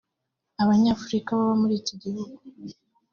Abanyafurika baba muri iki gihugu